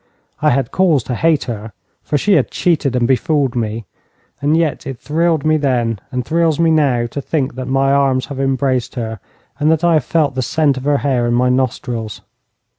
I had cause to hate her, for she had cheated and befooled me, and yet it thrilled me then and thrills me now to think that my arms have embraced her, and that I have felt the scent of her hair in my nostrils.